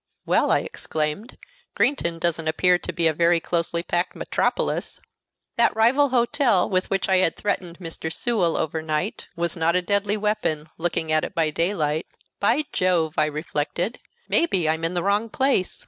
"Well," I exclaimed, "Greenton doesn't appear to be a very closely packed metropolis!" That rival hotel with which I had threatened Mr. Sewell overnight was not a deadly weapon, looking at it by daylight. "By Jove!" I reflected, "maybe I'm in the wrong place."